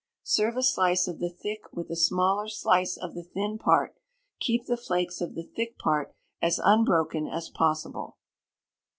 Serve a slice of the thick with a smaller slice of the thin part. Keep the flakes of the thick part as unbroken as possible.